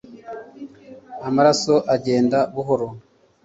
Amaraso agenda buhoro